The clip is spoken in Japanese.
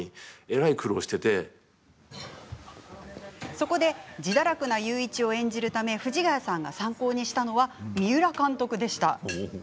そこで、じだらくな裕一を演じるため藤ヶ谷さんが参考にしたのは三浦監督でした。